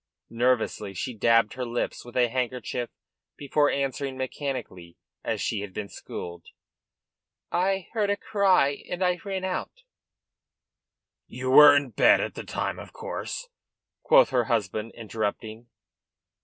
Nervously she dabbed her lips with a handkerchief before answering mechanically as she had been schooled: "I heard a cry, and I ran out " "You were in bed at the time, of course?" quoth her husband, interrupting.